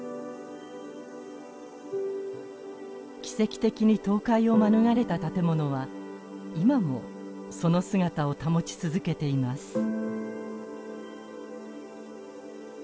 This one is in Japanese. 奇跡的に倒壊を免れた建物は今もその姿を保ち続けています。